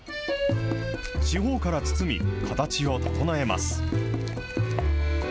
四方から包み、形を整えます。